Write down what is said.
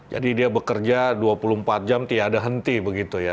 jadi dia bekerja dua puluh empat jam tiada henti begitu ya